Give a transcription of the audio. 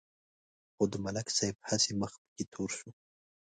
خو د ملک صاحب هسې مخ پکې تور شو.